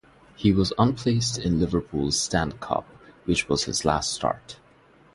He was unplaced in Liverpool's Stand Cup which was his last start.